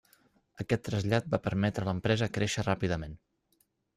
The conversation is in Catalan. Aquest trasllat va permetre a l'empresa créixer ràpidament.